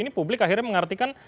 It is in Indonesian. ini publik akhirnya mengartikan